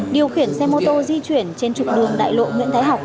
điều khiển xe mô tô di chuyển trên trục đường đại lộ nguyễn thái học